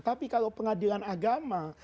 tapi kalau pengadilan agama